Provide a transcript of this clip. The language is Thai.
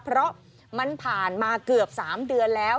เพราะมันผ่านมาเกือบ๓เดือนแล้ว